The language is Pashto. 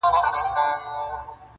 • چي تر پام دي ټول جهان جانان جانان سي,